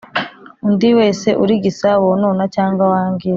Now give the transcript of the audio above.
Undi wese urigisa wonona cyangwa wangiza